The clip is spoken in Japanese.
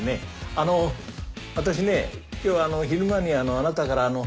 あの私ね今日あの昼間にあのあなたからあの。